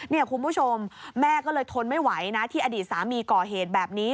คุณผู้ชมแม่ก็เลยทนไม่ไหวนะที่อดีตสามีก่อเหตุแบบนี้